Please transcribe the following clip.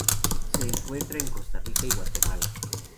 Se encuentra en Costa Rica y Guatemala.